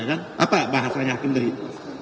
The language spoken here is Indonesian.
apa bahasanya hakim dari itu